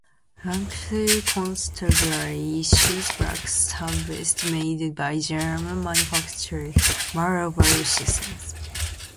Lancashire Constabulary issues black stab vests made by German manufacturer "Mehler Vario Systems".